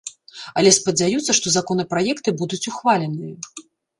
Але спадзяюцца, што законапраекты будуць ухваленыя.